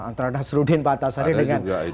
antara nasruddin pak antasari dengan